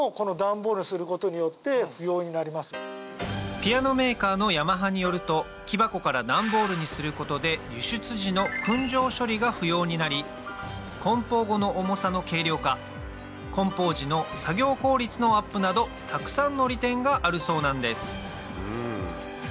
ピアノメーカーのヤマハによると木箱からダンボールにすることで輸出時の燻蒸処理が不要になり梱包後の重さの軽量化梱包時の作業効率のアップなどたくさんの利点があるそうなんです